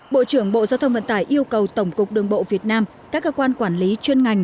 bộ trưởng bộ giao thông vận tải yêu cầu tổng cục đường bộ việt nam các cơ quan quản lý chuyên ngành